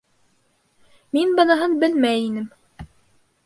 Мин быныһын белмәй инем.